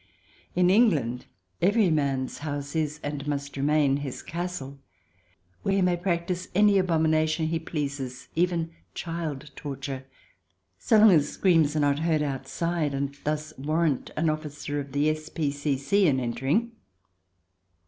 In England every man's house is, and must remain, his castle, where he may practise any abomination he pleases, even child torture, so long as screams are not heard outside, and thus warrant an officer of the S.P.C.C. in entering.